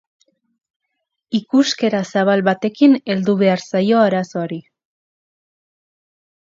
Ikuskera zabal batekin heldu behar zaio arazoari.